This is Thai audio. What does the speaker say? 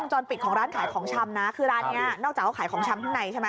จรปิดของร้านขายของชำนะคือร้านนี้นอกจากเขาขายของชำข้างในใช่ไหม